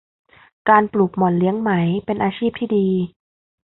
การปลูกหม่อนเลี้ยงไหม เป็นอาชีพที่ดี